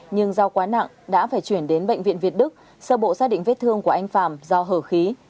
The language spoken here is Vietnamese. nhưng do quá nặng đã phải chuyển đến bệnh viện việt đức sơ bộ xác định vết thương của anh phạm do hở khí